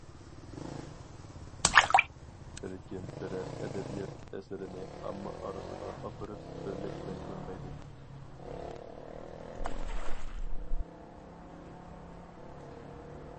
بىركىم بىرەر ئەدەبىيات ئەسىرىنى ئامما ئارىسىغا ئاپىرىپ بىرلىكتە كۆرمەيدۇ.